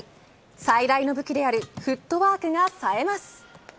最大の武器であるフットワークがさえます。